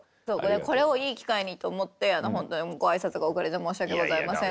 これをいい機会にと思って「ほんとにご挨拶が遅れて申し訳ございません」。